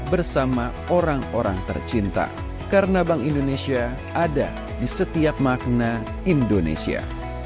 bersama orang orang tercinta karena bank indonesia ada di setiap makna indonesia